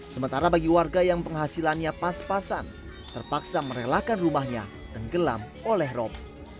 sementara bagi warga yang penghasilannya pas pasan terpaksa merelakan rumahnya dan gelam oleh rop